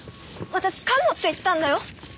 私「かも」って言ったんだよ！